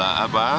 ada di jepang